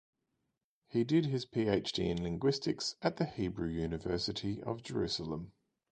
He did his PhD in linguistics at the Hebrew University of Jerusalem.